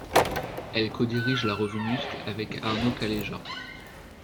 Elle co-dirige la revue Muscle avec Arno Calleja.